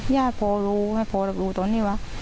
ย่าพอรู้ไม่พอรักรู้ตรงนี้วะ